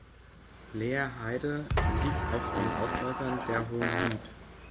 Leherheide liegt auf den Ausläufern der Hohen Lieth.